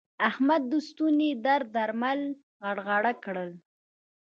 احمد د ستوني درد درمل غرغړه کړل.